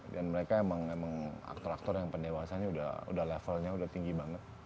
dan mereka emang aktor aktor yang pendewasannya udah levelnya udah tinggi banget